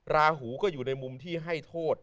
ราหูก็อยู่ในมุมที่ให้โทษ